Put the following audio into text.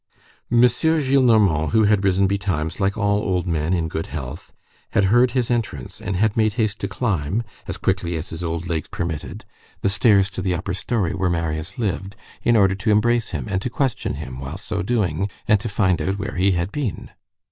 M. Gillenormand, who had risen betimes like all old men in good health, had heard his entrance, and had made haste to climb, as quickly as his old legs permitted, the stairs to the upper story where Marius lived, in order to embrace him, and to question him while so doing, and to find out where he had been.